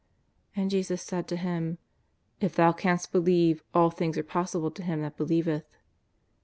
'' And Jesus said to him :^' If thou canst believe, all things are possible to him that believeth."